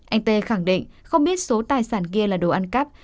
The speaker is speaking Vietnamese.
anh tê khẳng định không biết số tài sản kia là đồ ăn cắp